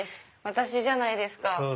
私じゃないですか。